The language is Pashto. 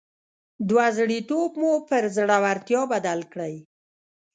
دوه زړي توب مو پر زړورتيا بدل کړئ.